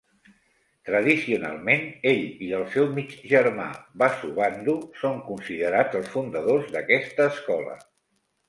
Tradicionalment, ell i el seu mig germà Vasubandhu son considerats els fundadors d'aquesta escola.